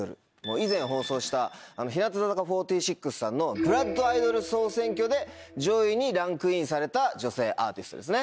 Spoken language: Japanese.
以前放送した日向坂４６さんのＢＬＯＯＤアイドル総選挙で上位にランクインされた女性アーティストですね。